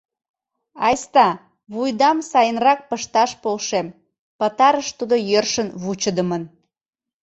Айста, вуйдам сайынрак пышташ полшем, — пытарыш тудо йӧршын вучыдымын.